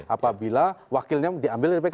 apabila wakilnya diambil dari pkb